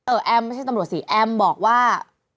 แอมไม่ใช่ตำรวจสิแอมบอกว่า